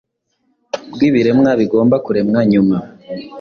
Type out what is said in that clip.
bwibiremwa bigomba kuremwa, nyuma